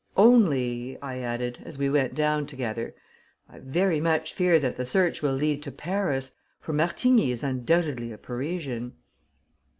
"Only," I added, as we went down together, "I very much fear that the search will lead to Paris, for Martigny is undoubtedly a Parisian."